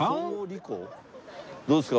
どうですか？